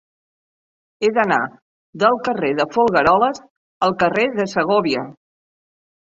He d'anar del carrer de Folgueroles al carrer de Segòvia.